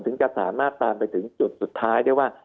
ถึงจะสามารถตามไปถึงจุดสุดท้ายได้ว่า